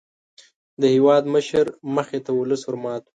د هېوادمشر مخې ته ولس ور مات وو.